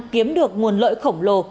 kiếm được nguồn lợi khổng lồ